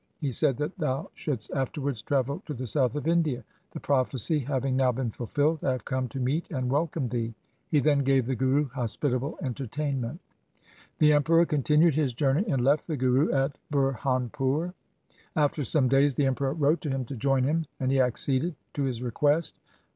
He said that thou shouldst afterwards travel to the south of India. The prophecy having now been fulfilled, I have come to meet and wel come thee.' He then gave the Guru hospitable entertainment. The Emperor continued his journey and left the Guru at Burhanpur. After some days the Emperor wrote to him to join him, and he acceded to his request.